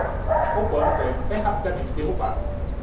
O pano velho é rapidamente derrubado.